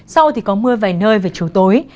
sau thì có mưa vài nơi về chiều tối